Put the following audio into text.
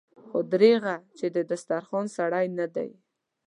خو دريغه چې د دسترخوان سړی نه دی.